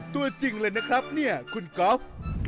ตัวจริงเลยนะครับเนี่ยคุณก๊อฟ